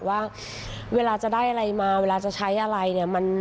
ที่แบบเดินทางกัน๒คนโดยที่แบบ